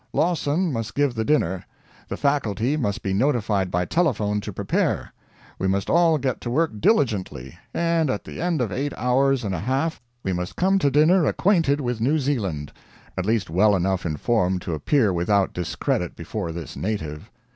Lawson must give the dinner. The Faculty must be notified by telephone to prepare. We must all get to work diligently, and at the end of eight hours and a half we must come to dinner acquainted with New Zealand; at least well enough informed to appear without discredit before this native.